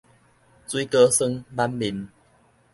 水果酸挽面